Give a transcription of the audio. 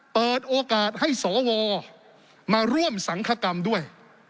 เปิดโอกาสให้สวมาร่วมสังคกรรมด้วย